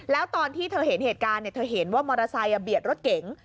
แล้วตอนที่เธอเห็นเหตุการณ์เธอเห็นว่ามอเตอร์ไซค์เบียดรถเก๋ง